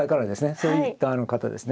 そういった方ですね。